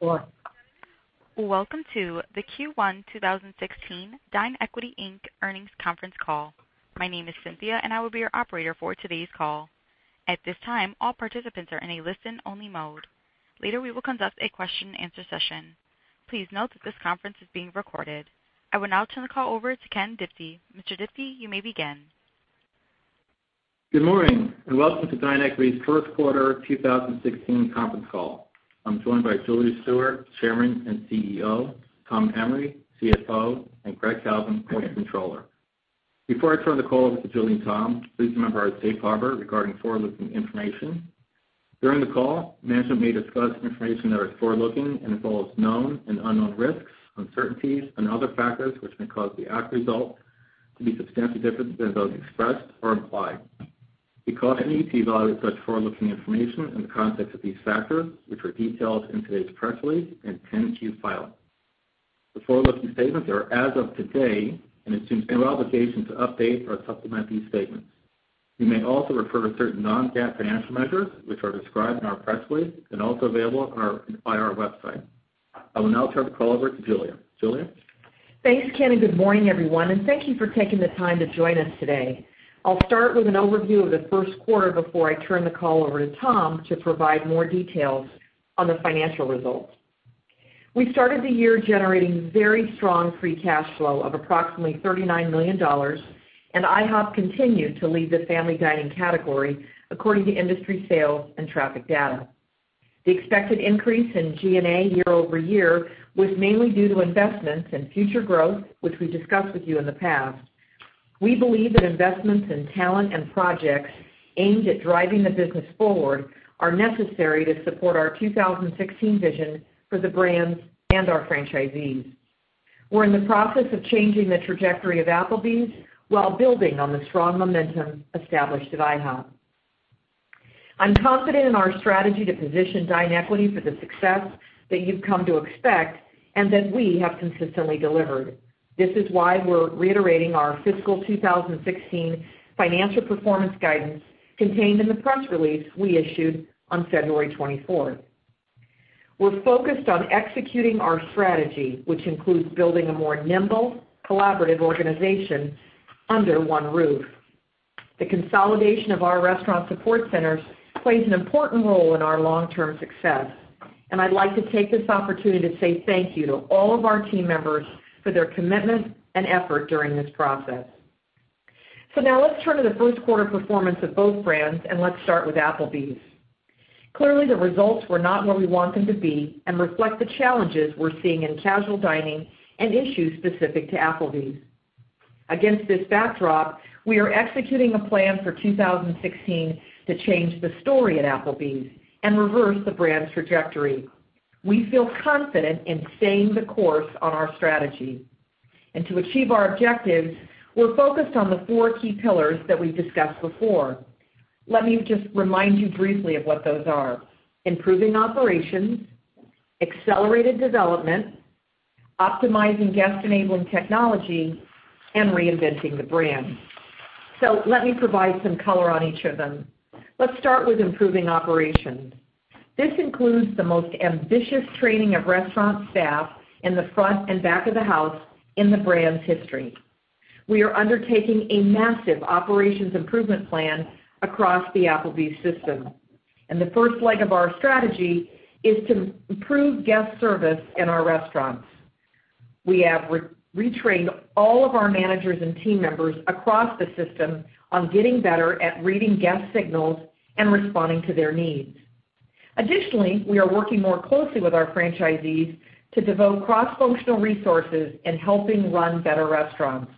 Welcome to the Q1 2016 DineEquity, Inc. earnings conference call. My name is Cynthia, and I will be your operator for today's call. At this time, all participants are in a listen-only mode. Later, we will conduct a question-and-answer session. Please note that this conference is being recorded. I will now turn the call over to Ken Diptee. Mr. Diptee, you may begin. Good morning, welcome to DineEquity's first quarter 2016 conference call. I'm joined by Julia Stewart, Chairman and CEO, Tom Emrey, CFO, and Greg Kalvin, Corporate Controller. Before I turn the call over to Julia and Tom, please remember our safe harbor regarding forward-looking information. During the call, management may discuss information that is forward-looking and involves known and unknown risks, uncertainties and other factors which may cause the actual results to be substantially different than those expressed or implied. We caution you to evaluate such forward-looking information in the context of these factors, which are detailed in today's press release and 10-Q filing. The forward-looking statements are as of today, assumes no obligation to update or supplement these statements. We may also refer to certain non-GAAP financial measures, which are described in our press release and also available on our IR website. I will now turn the call over to Julia. Julia? Thanks, Ken, good morning, everyone, thank you for taking the time to join us today. I'll start with an overview of the first quarter before I turn the call over to Tom to provide more details on the financial results. We started the year generating very strong free cash flow of approximately $39 million, IHOP continued to lead the family dining category, according to industry sales and traffic data. The expected increase in G&A year-over-year was mainly due to investments in future growth, which we discussed with you in the past. We believe that investments in talent and projects aimed at driving the business forward are necessary to support our 2016 vision for the brands and our franchisees. We're in the process of changing the trajectory of Applebee's while building on the strong momentum established at IHOP. I'm confident in our strategy to position DineEquity for the success that you've come to expect and that we have consistently delivered. This is why we're reiterating our fiscal 2016 financial performance guidance contained in the press release we issued on February 24th. We're focused on executing our strategy, which includes building a more nimble, collaborative organization under one roof. The consolidation of our restaurant support centers plays an important role in our long-term success, and I'd like to take this opportunity to say thank you to all of our team members for their commitment and effort during this process. Let's turn to the first quarter performance of both brands, and let's start with Applebee's. Clearly, the results were not where we want them to be and reflect the challenges we're seeing in casual dining and issues specific to Applebee's. Against this backdrop, we are executing a plan for 2016 to change the story at Applebee's and reverse the brand's trajectory. We feel confident in staying the course on our strategy. To achieve our objectives, we're focused on the four key pillars that we've discussed before. Let me just remind you briefly of what those are. Improving operations, accelerated development, optimizing guest-enabling technology, and reinventing the brand. Let me provide some color on each of them. Let's start with improving operations. This includes the most ambitious training of restaurant staff in the front and back of the house in the brand's history. We are undertaking a massive operations improvement plan across the Applebee's system, and the first leg of our strategy is to improve guest service in our restaurants. We have retrained all of our managers and team members across the system on getting better at reading guest signals and responding to their needs. Additionally, we are working more closely with our franchisees to devote cross-functional resources in helping run better restaurants.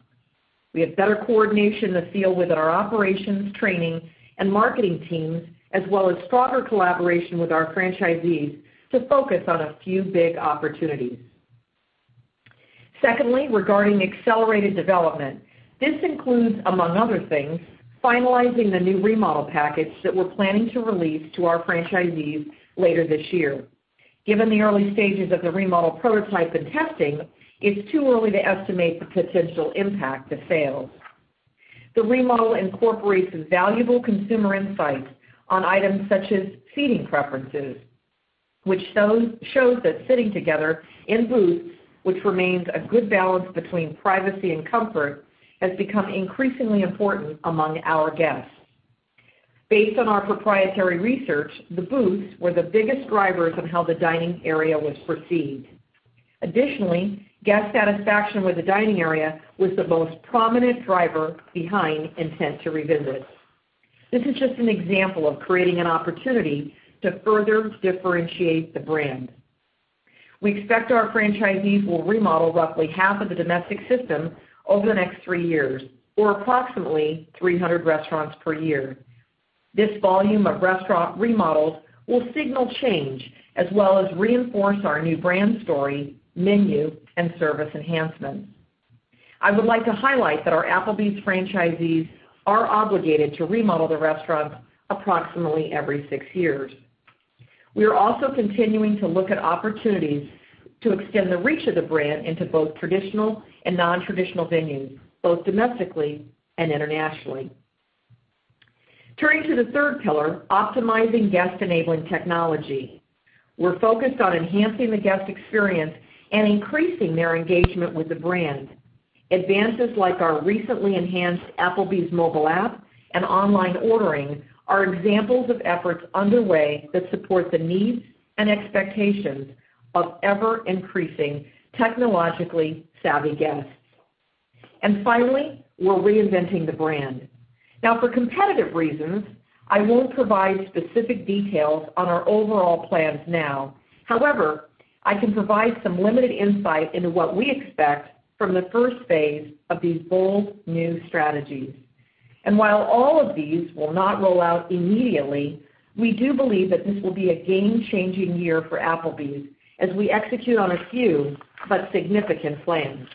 We have better coordination in the field within our operations, training, and marketing teams, as well as stronger collaboration with our franchisees to focus on a few big opportunities. Secondly, regarding accelerated development, this includes, among other things, finalizing the new remodel package that we're planning to release to our franchisees later this year. Given the early stages of the remodel prototype and testing, it's too early to estimate the potential impact to sales. The remodel incorporates valuable consumer insights on items such as seating preferences, which shows that sitting together in booths, which remains a good balance between privacy and comfort, has become increasingly important among our guests. Based on our proprietary research, the booths were the biggest drivers of how the dining area was perceived. Additionally, guest satisfaction with the dining area was the most prominent driver behind intent to revisit. This is just an example of creating an opportunity to further differentiate the brand. We expect our franchisees will remodel roughly half of the domestic system over the next three years, or approximately 300 restaurants per year. This volume of restaurant remodels will signal change as well as reinforce our new brand story, menu, and service enhancements. I would like to highlight that our Applebee's franchisees are obligated to remodel the restaurant approximately every six years. We are also continuing to look at opportunities to extend the reach of the brand into both traditional and non-traditional venues, both domestically and internationally. Turning to the third pillar, optimizing guest-enabling technology. We're focused on enhancing the guest experience and increasing their engagement with the brand. Advances like our recently enhanced Applebee's mobile app and online ordering are examples of efforts underway that support the needs and expectations of ever-increasing technologically savvy guests. Finally, we're reinventing the brand. For competitive reasons, I won't provide specific details on our overall plans now. However, I can provide some limited insight into what we expect from the first phase of these bold new strategies. While all of these will not roll out immediately, we do believe that this will be a game-changing year for Applebee's as we execute on a few but significant plans.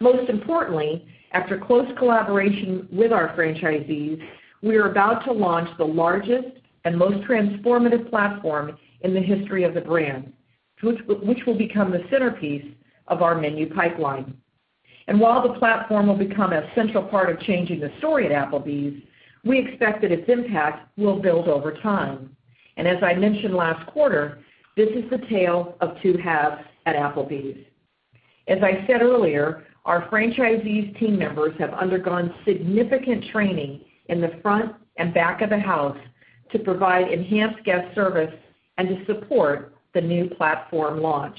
Most importantly, after close collaboration with our franchisees, we are about to launch the largest and most transformative platform in the history of the brand, which will become the centerpiece of our menu pipeline. While the platform will become a central part of changing the story at Applebee's, we expect that its impact will build over time. As I mentioned last quarter, this is the tale of two halves at Applebee's. As I said earlier, our franchisees' team members have undergone significant training in the front and back of the house to provide enhanced guest service and to support the new platform launch.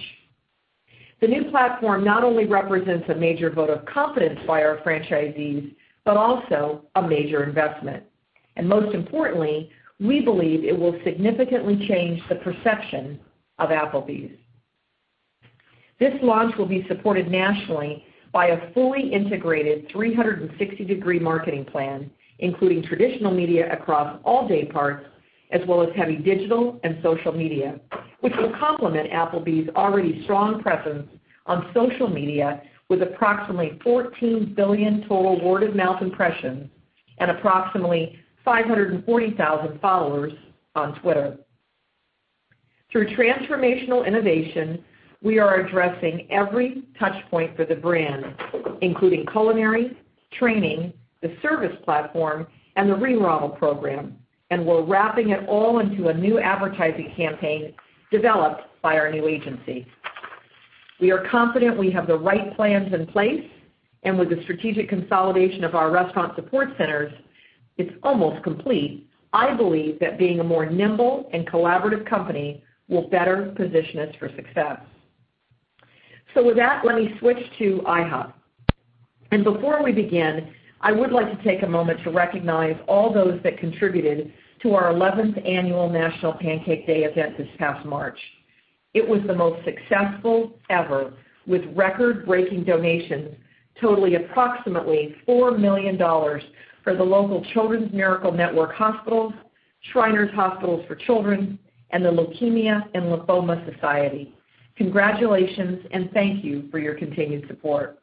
The new platform not only represents a major vote of confidence by our franchisees, but also a major investment. Most importantly, we believe it will significantly change the perception of Applebee's. This launch will be supported nationally by a fully integrated 360-degree marketing plan, including traditional media across all day parts, as well as heavy digital and social media, which will complement Applebee's already strong presence on social media with approximately 14 billion total word-of-mouth impressions and approximately 540,000 followers on Twitter. Through transformational innovation, we are addressing every touch point for the brand, including culinary, training, the service platform, the remodel program. We're wrapping it all into a new advertising campaign developed by our new agency. We are confident we have the right plans in place. With the strategic consolidation of our restaurant support centers, it's almost complete. I believe that being a more nimble and collaborative company will better position us for success. With that, let me switch to IHOP. Before we begin, I would like to take a moment to recognize all those that contributed to our 11th annual National Pancake Day event this past March. It was the most successful ever, with record-breaking donations totaling approximately $4 million for the local Children's Miracle Network Hospitals, Shriners Hospitals for Children, and The Leukemia & Lymphoma Society. Congratulations. Thank you for your continued support.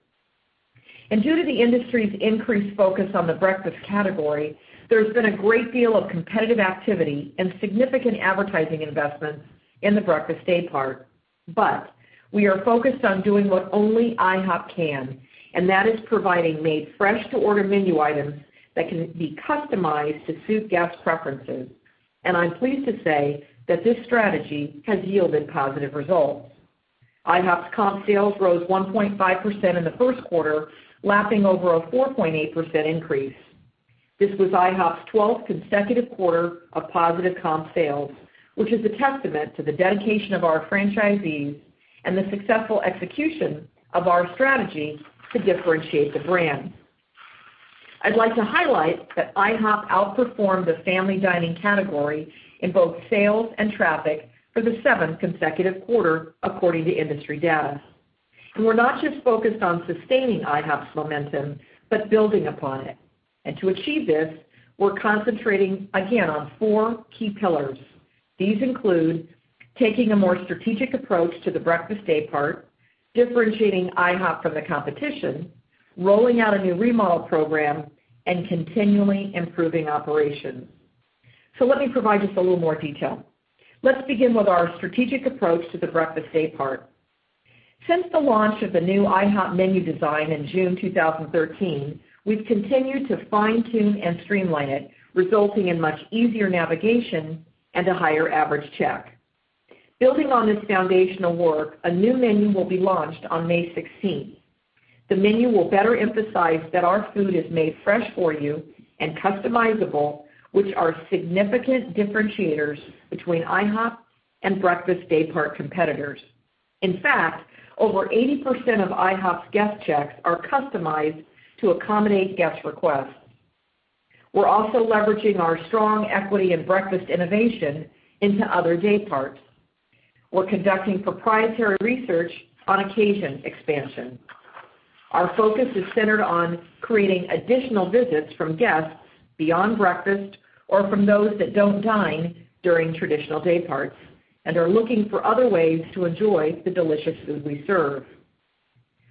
Due to the industry's increased focus on the breakfast category, there's been a great deal of competitive activity and significant advertising investments in the breakfast day part. We are focused on doing what only IHOP can, and that is providing made fresh to order menu items that can be customized to suit guests' preferences. I'm pleased to say that this strategy has yielded positive results. IHOP's comp sales rose 1.5% in the first quarter, lapping over a 4.8% increase. This was IHOP's 12th consecutive quarter of positive comp sales, which is a testament to the dedication of our franchisees and the successful execution of our strategy to differentiate the brand. I'd like to highlight that IHOP outperformed the family dining category in both sales and traffic for the seventh consecutive quarter, according to industry data. We're not just focused on sustaining IHOP's momentum, but building upon it. To achieve this, we're concentrating again on four key pillars. These include taking a more strategic approach to the breakfast day part, differentiating IHOP from the competition, rolling out a new remodel program, and continually improving operations. So let me provide just a little more detail. Let's begin with our strategic approach to the breakfast day part. Since the launch of the new IHOP menu design in June 2013, we've continued to fine-tune and streamline it, resulting in much easier navigation and a higher average check. Building on this foundational work, a new menu will be launched on May 16th. The menu will better emphasize that our food is made fresh for you and customizable, which are significant differentiators between IHOP and breakfast day part competitors. In fact, over 80% of IHOP's guest checks are customized to accommodate guests' requests. We're also leveraging our strong equity in breakfast innovation into other day parts. We're conducting proprietary research on occasion expansion. Our focus is centered on creating additional visits from guests beyond breakfast or from those that don't dine during traditional day parts and are looking for other ways to enjoy the delicious food we serve.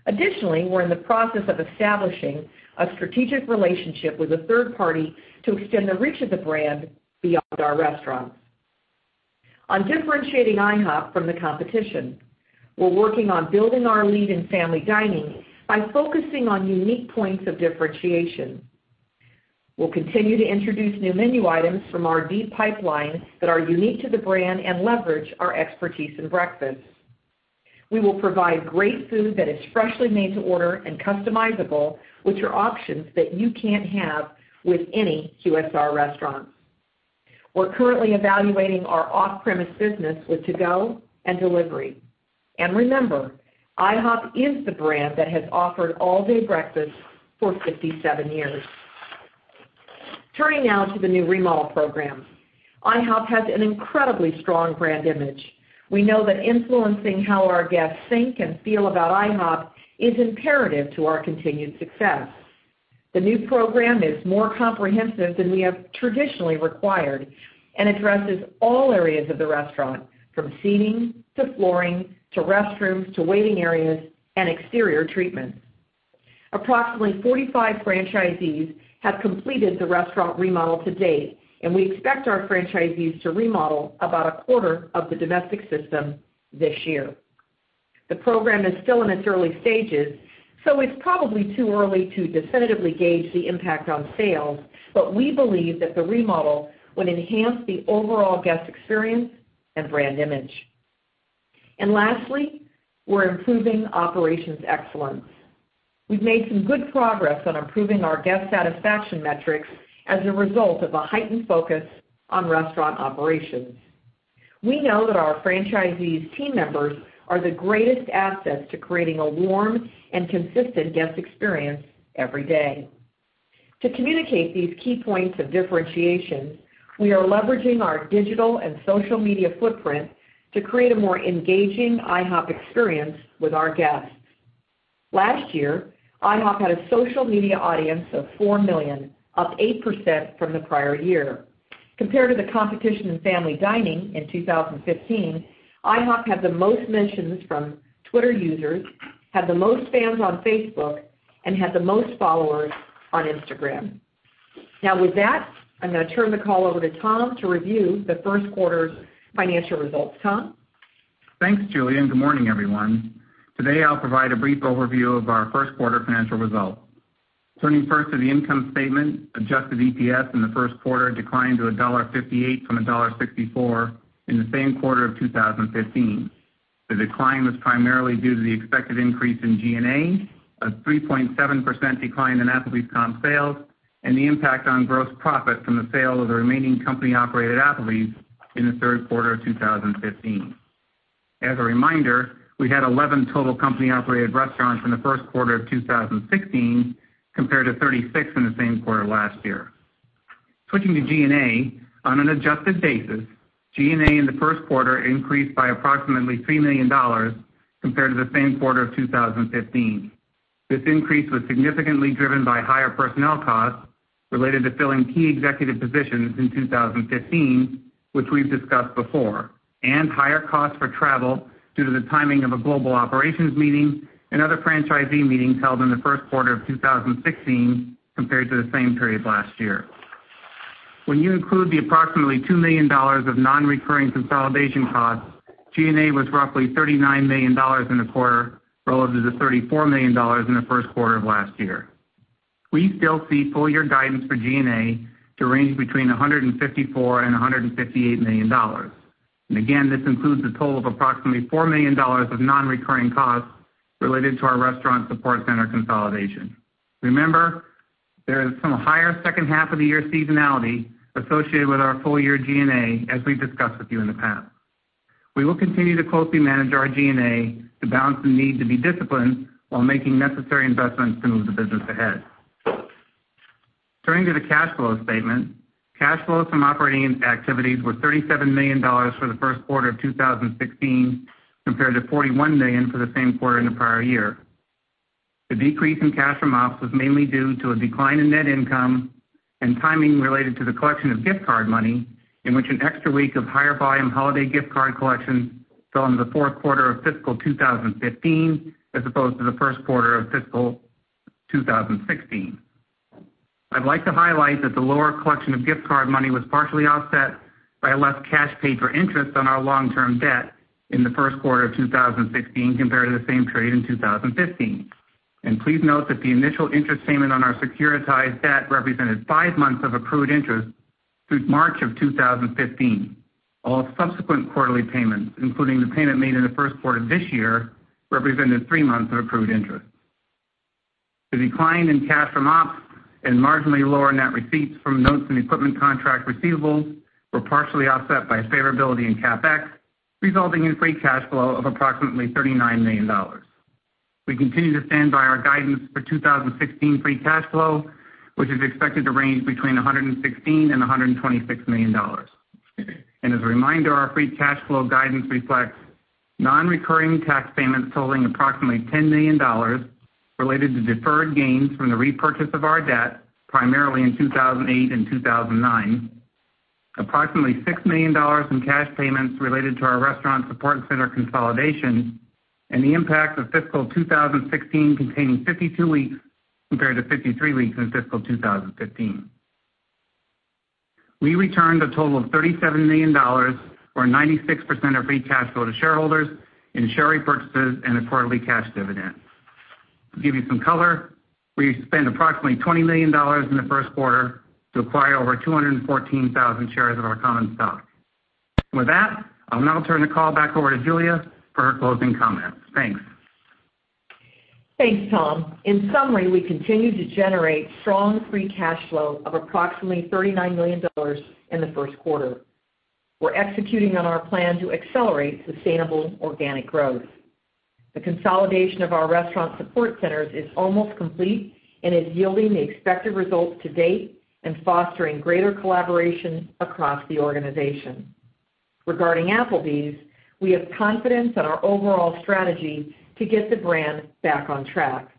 Additionally, we're in the process of establishing a strategic relationship with a third party to extend the reach of the brand beyond our restaurants. On differentiating IHOP from the competition, we're working on building our lead in family dining by focusing on unique points of differentiation. We'll continue to introduce new menu items from our deep pipeline that are unique to the brand and leverage our expertise in breakfast. We will provide great food that is freshly made to order and customizable, which are options that you can't have with any QSR restaurant. We're currently evaluating our off-premise business with to-go and delivery. Remember, IHOP is the brand that has offered all-day breakfast for 67 years. Turning now to the new remodel program. IHOP has an incredibly strong brand image. We know that influencing how our guests think and feel about IHOP is imperative to our continued success. The new program is more comprehensive than we have traditionally required and addresses all areas of the restaurant, from seating to flooring, to restrooms, to waiting areas, and exterior treatments. Approximately 45 franchisees have completed the restaurant remodel to date, and we expect our franchisees to remodel about a quarter of the domestic system this year. The program is still in its early stages, so it's probably too early to definitively gauge the impact on sales, but we believe that the remodel would enhance the overall guest experience and brand image. Lastly, we're improving operations excellence. We've made some good progress on improving our guest satisfaction metrics as a result of a heightened focus on restaurant operations. We know that our franchisees' team members are the greatest assets to creating a warm and consistent guest experience every day. To communicate these key points of differentiation, we are leveraging our digital and social media footprint to create a more engaging IHOP experience with our guests. Last year, IHOP had a social media audience of 4 million, up 8% from the prior year. Compared to the competition in family dining in 2015, IHOP had the most mentions from Twitter users, had the most fans on Facebook, and had the most followers on Instagram. With that, I'm going to turn the call over to Tom to review the first quarter's financial results. Tom? Thanks, Julia, and good morning, everyone. Today, I'll provide a brief overview of our first quarter financial results. Turning first to the income statement, adjusted EPS in the first quarter declined to $1.58 from $1.64 in the same quarter of 2015. The decline was primarily due to the expected increase in G&A, a 3.7% decline in Applebee's comp sales, and the impact on gross profit from the sale of the remaining company-operated Applebee's in the third quarter of 2015. As a reminder, we had 11 total company-operated restaurants in the first quarter of 2016, compared to 36 in the same quarter last year. Switching to G&A, on an adjusted basis, G&A in the first quarter increased by approximately $3 million compared to the same quarter of 2015. This increase was significantly driven by higher personnel costs related to filling key executive positions in 2015, which we've discussed before, and higher costs for travel due to the timing of a global operations meeting and other franchisee meetings held in the first quarter of 2016 compared to the same period last year. When you include the approximately $2 million of non-recurring consolidation costs, G&A was roughly $39 million in the quarter relative to the $34 million in the first quarter of last year. We still see full year guidance for G&A to range between $154 million-$158 million. Again, this includes a total of approximately $4 million of non-recurring costs related to our restaurant support center consolidation. Remember, there is some higher second half of the year seasonality associated with our full year G&A, as we've discussed with you in the past. We will continue to closely manage our G&A to balance the need to be disciplined while making necessary investments to move the business ahead. Turning to the cash flow statement. Cash flow from operating activities was $37 million for the first quarter of 2016 compared to $41 million for the same quarter in the prior year. The decrease in cash from ops was mainly due to a decline in net income and timing related to the collection of gift card money, in which an extra week of higher volume holiday gift card collection fell into the fourth quarter of fiscal 2015, as opposed to the first quarter of fiscal 2016. I'd like to highlight that the lower collection of gift card money was partially offset by less cash paid for interest on our long-term debt in the first quarter of 2016 compared to the same period in 2015. Please note that the initial interest payment on our securitized debt represented five months of accrued interest through March of 2015. All subsequent quarterly payments, including the payment made in the first quarter of this year, represented three months of accrued interest. The decline in cash from ops and marginally lower net receipts from notes and equipment contract receivables were partially offset by favorability in CapEx, resulting in free cash flow of approximately $39 million. We continue to stand by our guidance for 2016 free cash flow, which is expected to range between $116 million and $126 million. As a reminder, our free cash flow guidance reflects non-recurring tax payments totaling approximately $10 million related to deferred gains from the repurchase of our debt, primarily in 2008 and 2009. Approximately $6 million in cash payments related to our restaurant support center consolidation. The impact of fiscal 2016 containing 52 weeks compared to 53 weeks in fiscal 2015. We returned a total of $37 million, or 96% of free cash flow to shareholders in share repurchases and a quarterly cash dividend. To give you some color, we spent approximately $20 million in the first quarter to acquire over 214,000 shares of our common stock. With that, I'll now turn the call back over to Julia for her closing comments. Thanks. Thanks, Tom. In summary, we continue to generate strong free cash flow of approximately $39 million in the first quarter. We're executing on our plan to accelerate sustainable organic growth. The consolidation of our restaurant support centers is almost complete and is yielding the expected results to date and fostering greater collaboration across the organization. Regarding Applebee's, we have confidence in our overall strategy to get the brand back on track.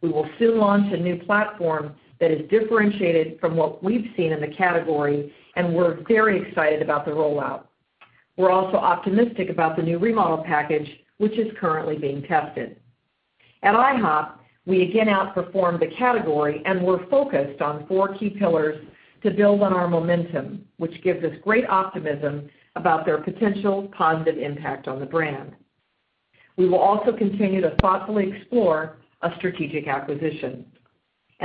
We will soon launch a new platform that is differentiated from what we've seen in the category, and we're very excited about the rollout. We're also optimistic about the new remodel package, which is currently being tested. At IHOP, we again outperformed the category, and we're focused on four key pillars to build on our momentum, which gives us great optimism about their potential positive impact on the brand. We will also continue to thoughtfully explore a strategic acquisition.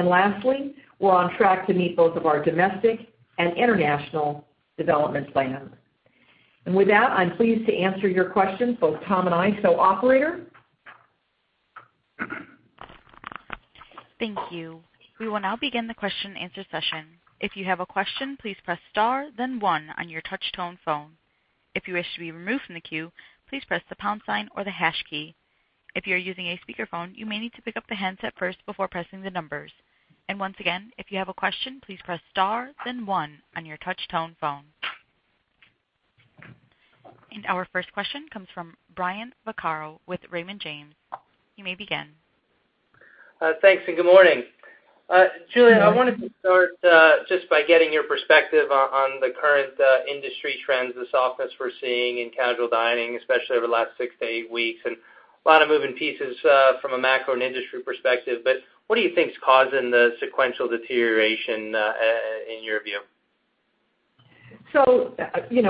Lastly, we're on track to meet both of our domestic and international development plans. With that, I'm pleased to answer your questions, both Tom and I. Operator. Thank you. We will now begin the question-and-answer session. If you have a question, please press star then one on your touch-tone phone. If you wish to be removed from the queue, please press the pound sign or the hash key. If you are using a speakerphone, you may need to pick up the handset first before pressing the numbers. Once again, if you have a question, please press star then one on your touch-tone phone. Our first question comes from Brian Vaccaro with Raymond James. You may begin. Thanks, good morning. Good morning. Julia, I wanted to start just by getting your perspective on the current industry trends, the softness we're seeing in casual dining, especially over the last six to eight weeks, a lot of moving pieces from a macro and industry perspective. What do you think is causing the sequential deterioration in your view?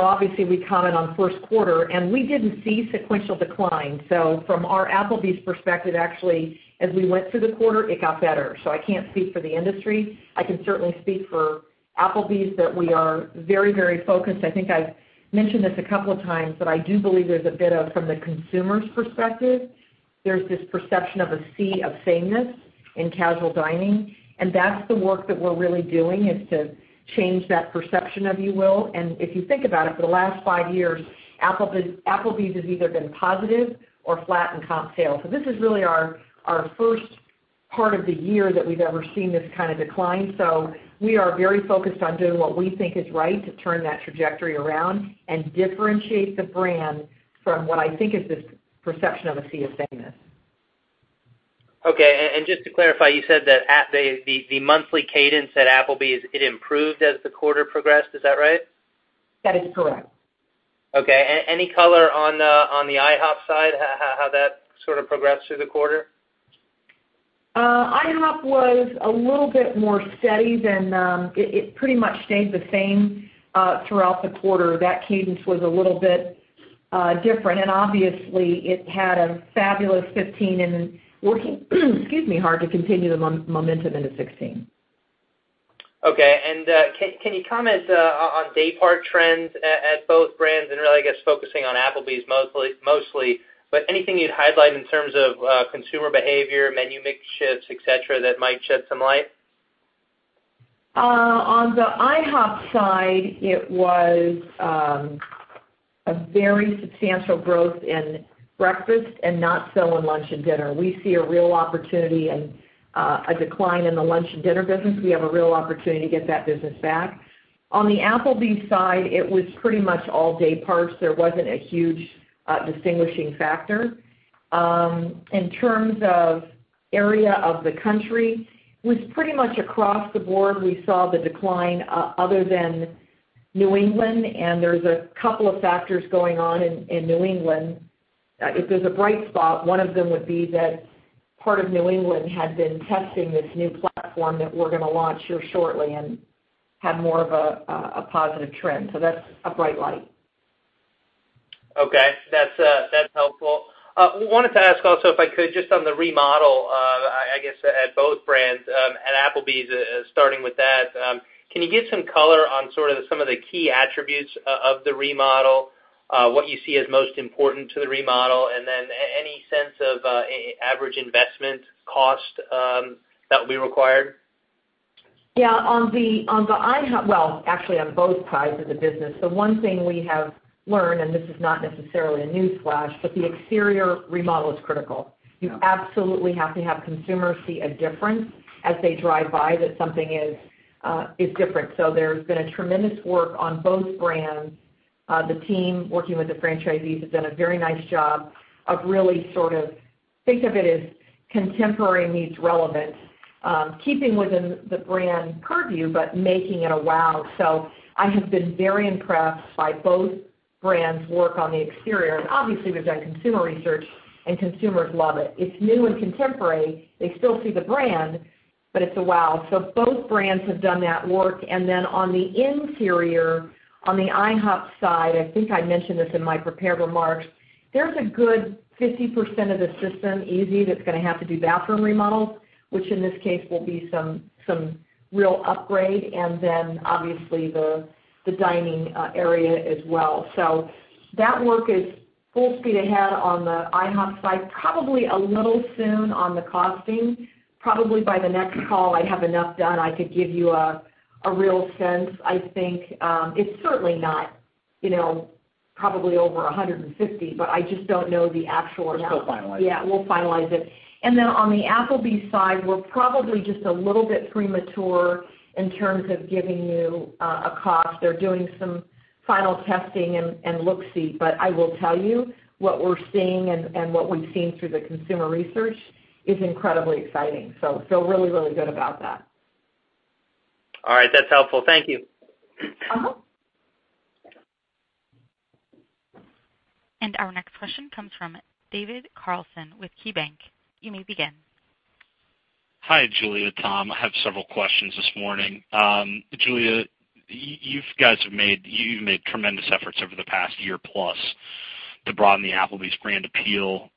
Obviously, we comment on first quarter, and we didn't see sequential decline. From our Applebee's perspective, actually, as we went through the quarter, it got better. I can't speak for the industry. I can certainly speak for Applebee's that we are very focused. I think I've mentioned this a couple of times, but I do believe there's a bit of, from the consumer's perspective, there's this perception of a sea of sameness in casual dining, and that's the work that we're really doing is to change that perception, if you will. If you think about it, for the last five years, Applebee's has either been positive or flat in comp sales. This is really our first part of the year that we've ever seen this kind of decline. We are very focused on doing what we think is right to turn that trajectory around and differentiate the brand from what I think is this perception of a sea of sameness. Okay, just to clarify, you said that the monthly cadence at Applebee's, it improved as the quarter progressed. Is that right? That is correct. Okay. Any color on the IHOP side, how that sort of progressed through the quarter? IHOP was a little bit more steady. It pretty much stayed the same throughout the quarter. That cadence was a little bit different, and obviously, it had a fabulous 2015 and working hard to continue the momentum into 2016. Okay. Can you comment on day part trends at both brands and really, I guess, focusing on Applebee's mostly, but anything you'd highlight in terms of consumer behavior, menu mix shifts, et cetera, that might shed some light? On the IHOP side, it was a very substantial growth in breakfast and not so in lunch and dinner. We see a real opportunity and a decline in the lunch and dinner business. We have a real opportunity to get that business back. On the Applebee's side, it was pretty much all day parts. There wasn't a huge distinguishing factor. In terms of area of the country, it was pretty much across the board, we saw the decline other than New England, and there's a couple of factors going on in New England. If there's a bright spot, one of them would be that part of New England had been testing this new platform that we're going to launch here shortly and had more of a positive trend. That's a bright light. Okay. That's helpful. Wanted to ask also if I could, just on the remodel I guess at both brands, at Applebee's, starting with that. Can you give some color on sort of some of the key attributes of the remodel, what you see as most important to the remodel, and then any sense of average investment cost that will be required? Yeah. On the IHOP, well, actually on both sides of the business, the one thing we have learned, and this is not necessarily a newsflash, the exterior remodel is critical. You absolutely have to have consumers see a difference as they drive by that something is different. There's been a tremendous work on both brands. The team working with the franchisees has done a very nice job of really sort of think of it as contemporary meets relevant. Keeping within the brand purview, making it a wow. I have been very impressed by both brands' work on the exterior. Obviously, we've done consumer research, and consumers love it. It's new and contemporary. They still see the brand, but it's a wow. Both brands have done that work. On the interior, on the IHOP side, I think I mentioned this in my prepared remarks, there's a good 50% of the system, easy, that's going to have to do bathroom remodels, which in this case will be some real upgrade, and then obviously the dining area as well. That work is full speed ahead on the IHOP side. Probably a little soon on the costing. Probably by the next call, I'd have enough done, I could give you a real sense. I think, it's certainly not probably over $150, but I just don't know the actual amount. We're still finalizing. we'll finalize it. On the Applebee's side, we're probably just a little bit premature in terms of giving you a cost. They're doing some final testing and look-see. I will tell you, what we're seeing and what we've seen through the consumer research is incredibly exciting. feel really, really good about that. All right. That's helpful. Thank you. Our next question comes from David Carlson with KeyBanc. You may begin. Hi, Julia, Tom. I have several questions this morning. Julia, you've made tremendous efforts over the past year plus to broaden the Applebee's brand appeal.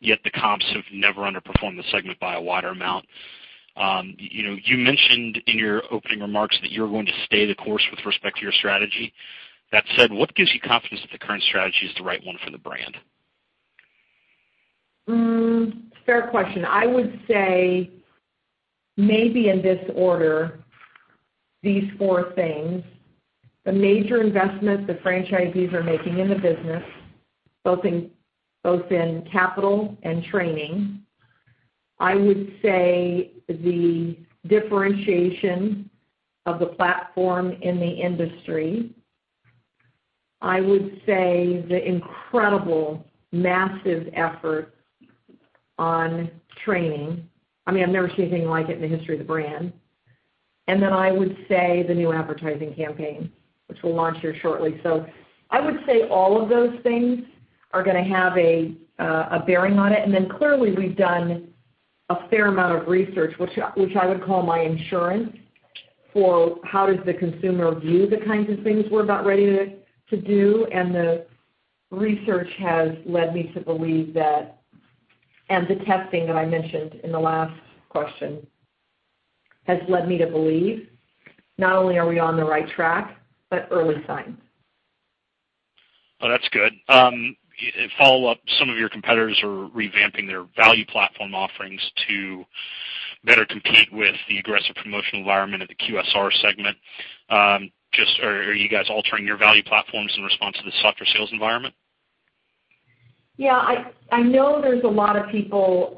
Yet the comps have never underperformed the segment by a wider amount. You mentioned in your opening remarks that you're going to stay the course with respect to your strategy. That said, what gives you confidence that the current strategy is the right one for the brand? Fair question. I would say maybe in this order, these four things. The major investments the franchisees are making in the business, both in capital and training. I would say the differentiation of the platform in the industry. I would say the incredible, massive effort on training. I mean, I've never seen anything like it in the history of the brand. I would say the new advertising campaign, which we'll launch here shortly. I would say all of those things are going to have a bearing on it. Clearly we've done a fair amount of research, which I would call my insurance, for how does the consumer view the kinds of things we're about ready to do. The research has led me to believe that, and the testing that I mentioned in the last question, has led me to believe not only are we on the right track, but early signs. Oh, that's good. Follow-up, some of your competitors are revamping their value platform offerings to better compete with the aggressive promotional environment of the QSR segment. Are you guys altering your value platforms in response to the softer sales environment? Yeah, I know there's a lot of people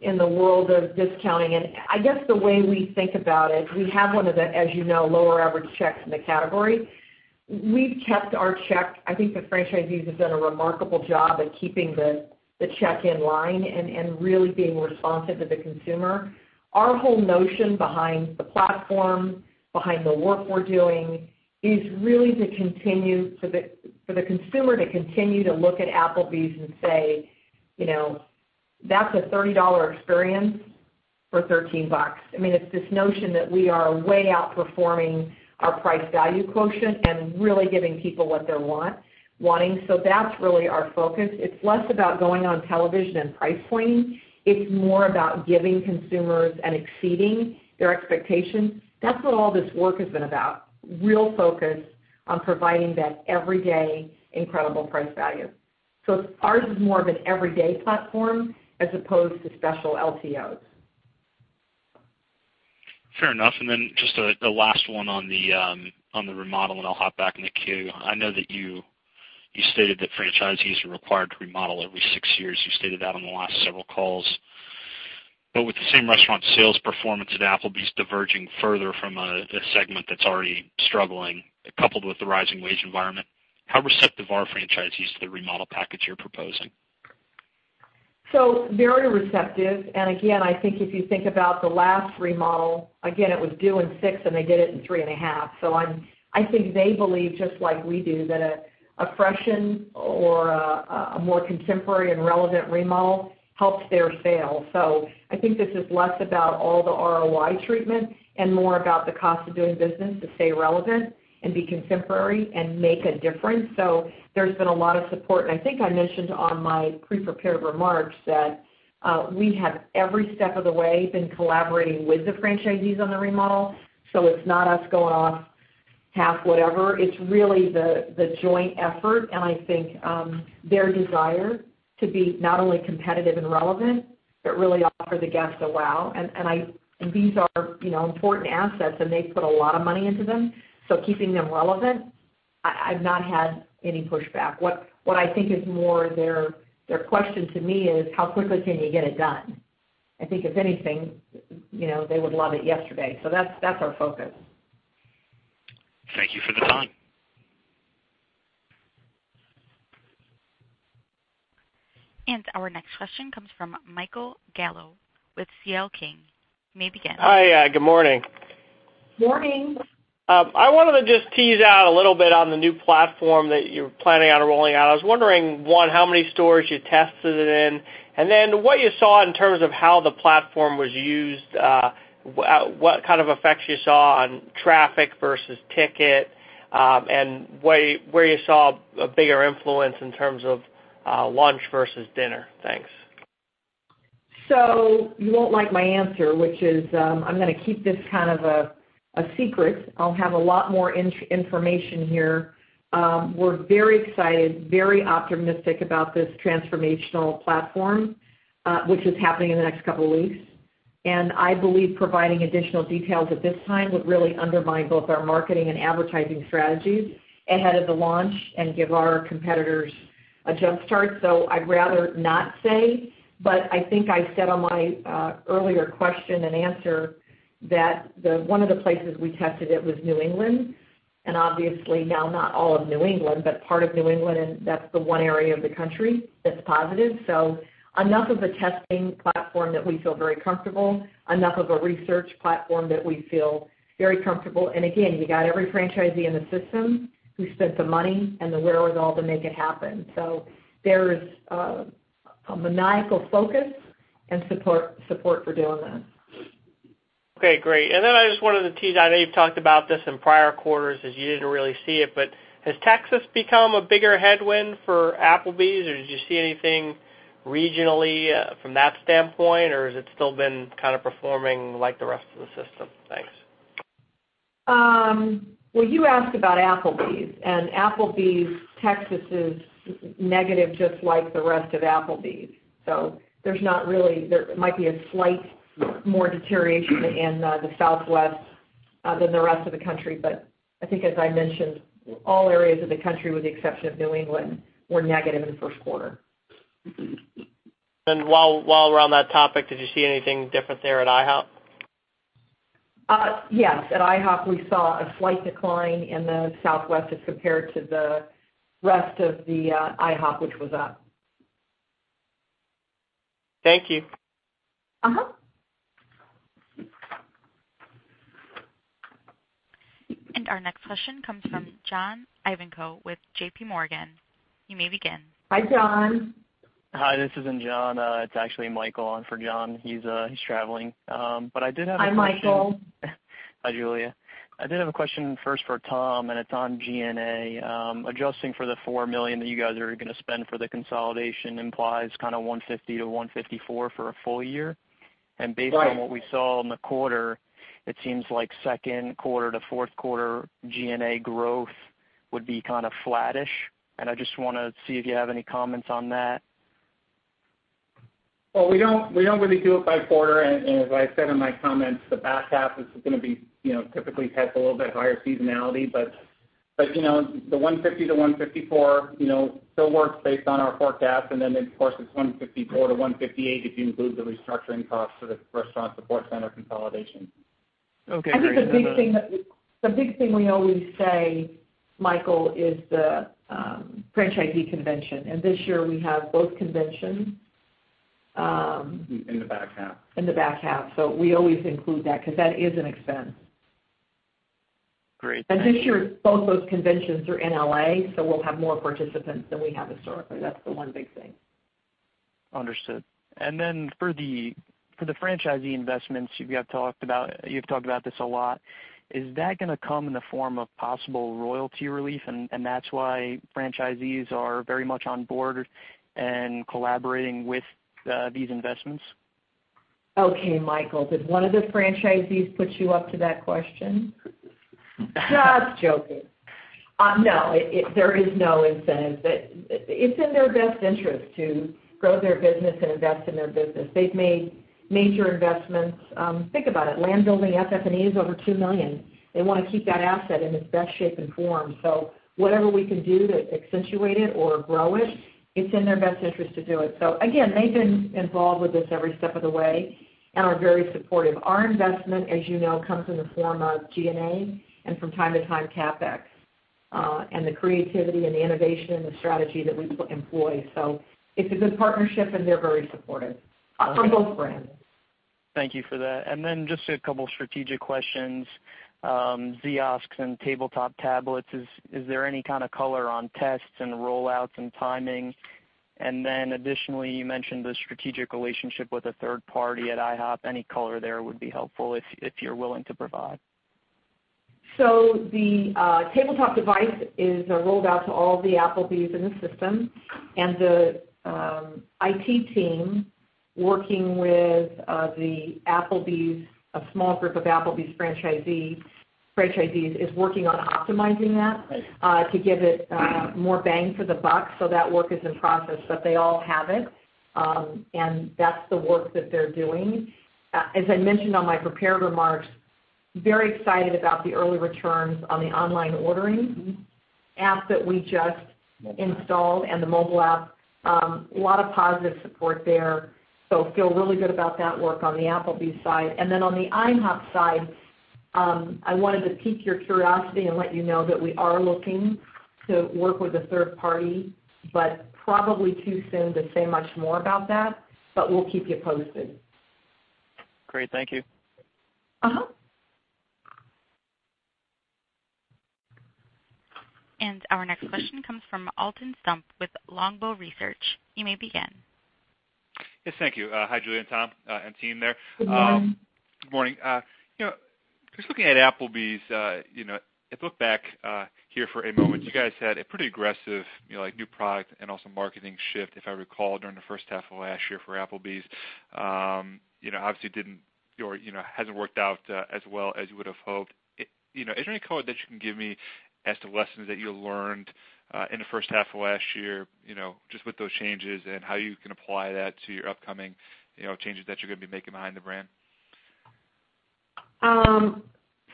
in the world of discounting, and I guess the way we think about it, we have one of the, as you know, lower average checks in the category. We've kept our check. I think the franchisees have done a remarkable job at keeping the check in line and really being responsive to the consumer. Our whole notion behind the platform, behind the work we're doing, is for the consumer to continue to look at Applebee's and say, "That's a $30 experience for $13." I mean, it's this notion that we are way outperforming our price value quotient and really giving people what they're wanting. That's really our focus. It's less about going on television and price pointing. It's more about giving consumers and exceeding their expectations. That's what all this work has been about, real focus on providing that everyday incredible price value. Ours is more of an everyday platform as opposed to special LTOs. Fair enough. Just the last one on the remodel, and I'll hop back in the queue. I know that you stated that franchisees are required to remodel every six years. You stated that on the last several calls. With the same-restaurant sales performance at Applebee's diverging further from a segment that's already struggling, coupled with the rising wage environment, how receptive are franchisees to the remodel package you're proposing? Very receptive. Again, I think if you think about the last remodel, again, it was due in six, and they did it in three and a half. I think they believe, just like we do, that a freshen or a more contemporary and relevant remodel helps their sales. I think this is less about all the ROI treatment and more about the cost of doing business to stay relevant and be contemporary and make a difference. There's been a lot of support, and I think I mentioned on my pre-prepared remarks that we have every step of the way been collaborating with the franchisees on the remodel. It's not us going off half whatever. It's really the joint effort, and I think their desire to be not only competitive and relevant, but really offer the guests a wow. These are important assets, and they've put a lot of money into them. Keeping them relevant, I've not had any pushback. What I think is more their question to me is, how quickly can you get it done? I think if anything, they would love it yesterday. That's our focus. Thank you for the time Our next question comes from Michael Gallo with C.L. King. You may begin. Hi, good morning. Morning. I wanted to just tease out a little bit on the new platform that you're planning on rolling out. I was wondering, one, how many stores you tested it in, and then what you saw in terms of how the platform was used, what kind of effects you saw on traffic versus ticket, and where you saw a bigger influence in terms of lunch versus dinner. Thanks. You won't like my answer, which is, I'm going to keep this kind of a secret. I'll have a lot more information here. We're very excited, very optimistic about this transformational platform, which is happening in the next couple of weeks. I believe providing additional details at this time would really undermine both our marketing and advertising strategies ahead of the launch and give our competitors a jumpstart. I'd rather not say, but I think I said on my earlier question and answer that one of the places we tested it was New England, and obviously now not all of New England, but part of New England, and that's the one area of the country that's positive. Enough of a testing platform that we feel very comfortable, enough of a research platform that we feel very comfortable. Again, you got every franchisee in the system who spent the money and the wherewithal to make it happen. There's a maniacal focus and support for doing that. Okay, great. I just wanted to tease out, I know you've talked about this in prior quarters as you didn't really see it, but has Texas become a bigger headwind for Applebee's, or did you see anything regionally from that standpoint, or has it still been kind of performing like the rest of the system? Thanks. You asked about Applebee's Texas is negative just like the rest of Applebee's. There might be a slight more deterioration in the Southwest than the rest of the country, but I think as I mentioned, all areas of the country, with the exception of New England, were negative in the first quarter. While we're on that topic, did you see anything different there at IHOP? Yes. At IHOP we saw a slight decline in the Southwest as compared to the rest of the IHOP, which was up. Thank you. Our next question comes from John Ivankoe with JPMorgan. You may begin. Hi, John. Hi, this isn't John. It's actually Michael on for John. He's traveling. I did have a question. Hi, Michael. Hi, Julia. I did have a question first for Tom, and it's on G&A. Adjusting for the $4 million that you guys are going to spend for the consolidation implies kind of $150-$154 for a full year. Right. Based on what we saw in the quarter, it seems like second quarter to fourth quarter G&A growth would be kind of flattish, and I just want to see if you have any comments on that. Well, we don't really do it by quarter, and as I said in my comments, the back half is going to be typically has a little bit higher seasonality. The $150-$154 still works based on our forecast. Of course, it's $154-$158 if you include the restructuring cost for the restaurant support center consolidation. Okay. I think the big thing we always say, Michael, is the franchisee convention, and this year we have both conventions. In the back half. In the back half. We always include that because that is an expense. Great. This year both those conventions are in L.A., so we'll have more participants than we have historically. That's the one big thing. Understood. For the franchisee investments, you've talked about this a lot. Is that going to come in the form of possible royalty relief, and that's why franchisees are very much on board and collaborating with these investments? Okay, Michael, did one of the franchisees put you up to that question? Just joking. No, there is no incentive. It's in their best interest to grow their business and invest in their business. They've made major investments. Think about it. Land building FF&E is over $2 million. They want to keep that asset in its best shape and form. Whatever we can do to accentuate it or grow it's in their best interest to do it. Again, they've been involved with this every step of the way and are very supportive. Our investment, as you know, comes in the form of G&A and from time to time CapEx, and the creativity and the innovation and the strategy that we employ. It's a good partnership, and they're very supportive for both brands. Thank you for that. Then just a couple of strategic questions. Ziosk and tabletop tablets, is there any kind of color on tests and rollouts and timing? Additionally, you mentioned the strategic relationship with a third party at IHOP. Any color there would be helpful if you're willing to provide. The tabletop device is rolled out to all of the Applebee's in the system, the IT team, working with a small group of Applebee's franchisees, is working on optimizing that to give it more bang for the buck. That work is in process, but they all have it. That's the work that they're doing. As I mentioned on my prepared remarks, very excited about the early returns on the online ordering app that we just installed and the mobile app. A lot of positive support there, feel really good about that work on the Applebee's side. On the IHOP side I wanted to pique your curiosity and let you know that we are looking to work with a third party, probably too soon to say much more about that, we'll keep you posted. Great. Thank you. Our next question comes from Alton Stump with Longbow Research. You may begin. Yes. Thank you. Hi, Julia and Tom, and team there. Good morning. Good morning. Just looking at Applebee's, if look back here for a moment, you guys had a pretty aggressive new product and also marketing shift, if I recall, during the first half of last year for Applebee's. It hasn't worked out as well as you would've hoped. Is there any color that you can give me as to lessons that you learned in the first half of last year just with those changes and how you can apply that to your upcoming changes that you're going to be making behind the brand?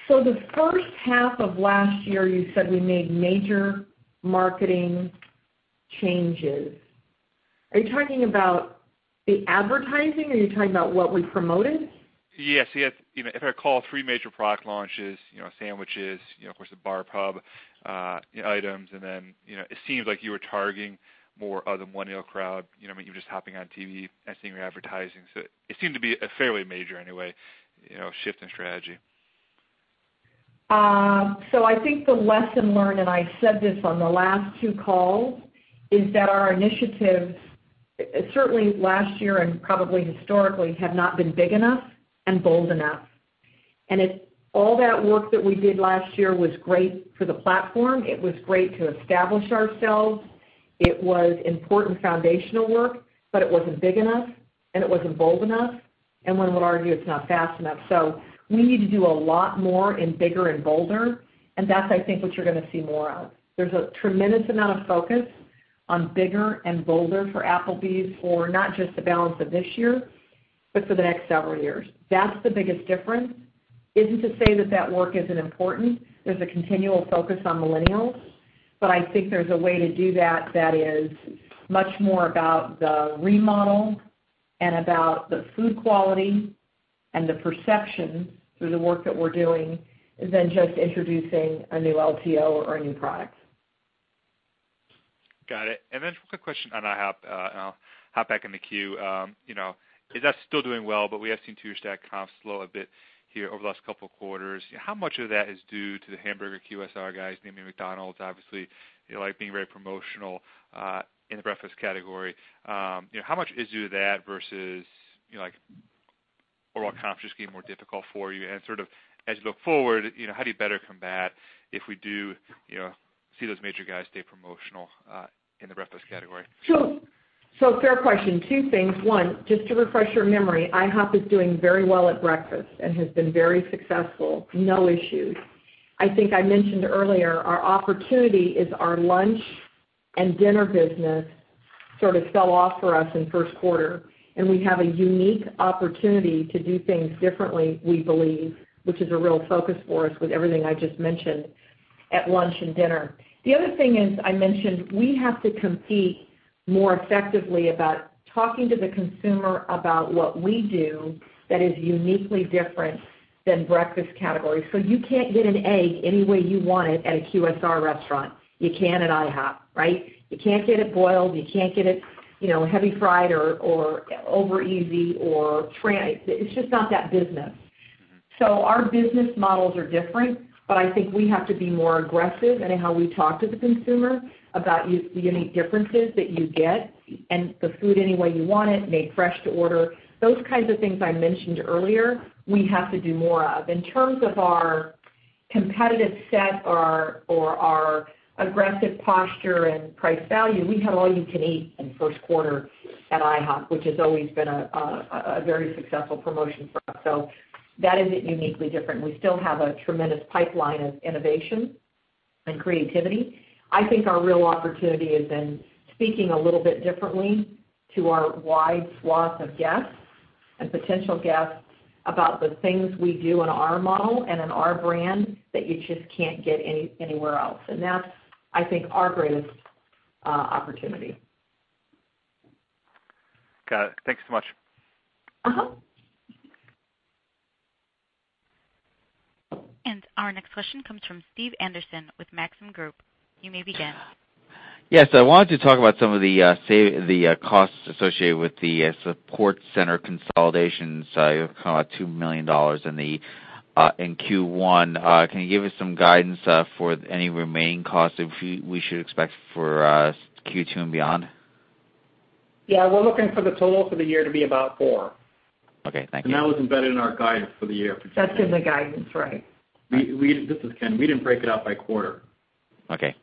The first half of last year, you said we made major marketing changes. Are you talking about the advertising? Are you talking about what we promoted? Yes. If I recall, three major product launches, sandwiches, of course, the bar pub items, then it seems like you were targeting more of the millennial crowd. When you were just hopping on TV and seeing your advertising. It seemed to be fairly major, anyway, shift in strategy. I think the lesson learned, and I said this on the last two calls, is that our initiatives, certainly last year and probably historically, have not been big enough and bold enough. All that work that we did last year was great for the platform. It was great to establish ourselves. It was important foundational work, but it wasn't big enough, and it wasn't bold enough, and one would argue it's not fast enough. We need to do a lot more and bigger and bolder, and that's, I think, what you're going to see more of. There's a tremendous amount of focus on bigger and bolder for Applebee's for not just the balance of this year, but for the next several years. That's the biggest difference. Isn't to say that that work isn't important. There's a continual focus on millennials, I think there's a way to do that that is much more about the remodel and about the food quality and the perception through the work that we're doing than just introducing a new LTO or a new product. Got it. Then quick question on IHOP, I'll hop back in the queue. That's still doing well, but we h`ave seen Tuesday comps slow a bit here over the last couple of quarters. How much of that is due to the hamburger QSR guys, namely McDonald's, obviously, being very promotional, in the breakfast category? How much is due to that versus overall comp just getting more difficult for you? Sort of as you look forward, how do you better combat if we do see those major guys stay promotional, in the breakfast category? Fair question. Two things. One, just to refresh your memory, IHOP is doing very well at breakfast and has been very successful. No issues. I think I mentioned earlier, our opportunity is our lunch and dinner business sort of fell off for us in the first quarter, and we have a unique opportunity to do things differently, we believe, which is a real focus for us with everything I just mentioned at lunch and dinner. I mentioned we have to compete more effectively about talking to the consumer about what we do that is uniquely different than breakfast category. You can't get an egg any way you want it at a QSR restaurant. You can at IHOP, right? You can't get it boiled. You can't get it heavy fried or over easy. It's just not that business. Our business models are different, but I think we have to be more aggressive in how we talk to the consumer about the unique differences that you get and the food any way you want it, made fresh to order. Those kinds of things I mentioned earlier, we have to do more of. In terms of our competitive set or our aggressive posture and price value, we had all-you-can-eat in the first quarter at IHOP, which has always been a very successful promotion for us. That isn't uniquely different. We still have a tremendous pipeline of innovation and creativity. I think our real opportunity is in speaking a little bit differently to our wide swath of guests and potential guests about the things we do in our model and in our brand that you just can't get anywhere else. That's, I think, our greatest opportunity. Got it. Thank you so much. Our next question comes from Steve Anderson with Maxim Group. You may begin. Yes, I wanted to talk about some of the costs associated with the support center consolidation. You have $2 million in Q1. Can you give us some guidance for any remaining costs we should expect for Q2 and beyond? Yeah, we're looking for the total for the year to be about $4. Okay, thank you. That was embedded in our guidance for the year. That's in the guidance, right. This is Ken. We didn't break it out by quarter. Okay.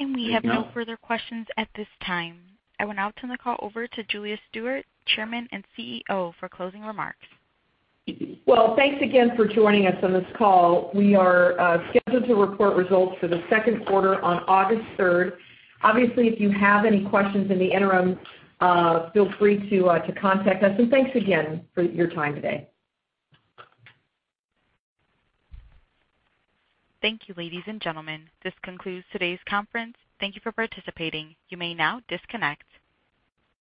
We have no further questions at this time. I will now turn the call over to Julia Stewart, Chairman and CEO, for closing remarks. Well, thanks again for joining us on this call. We are scheduled to report results for the second quarter on August 3rd. Obviously, if you have any questions in the interim, feel free to contact us. Thanks again for your time today. Thank you, ladies and gentlemen. This concludes today's conference. Thank you for participating. You may now disconnect.